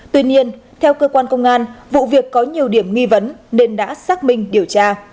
tuy nhiên theo cơ quan công an vụ việc có nhiều điểm nghi vấn nên đã xác minh điều tra